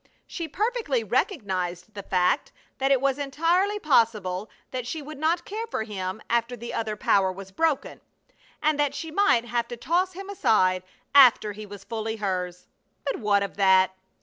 She perfectly recognized the fact that it was entirely possible that she would not care for him after the other power was broken, and that she might have to toss him aside after he was fully hers. But what of that?